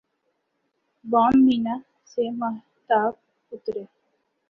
بام مینا سے ماہتاب اترے